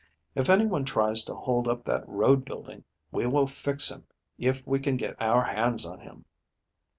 If any one tries to hold up that road building we will fix him if we can get our hands on him."